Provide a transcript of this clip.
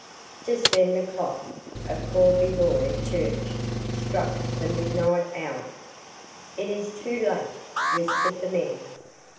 Just then the clock of Courbevoie Church struck the midnight hour. "It is too late," whispered the men.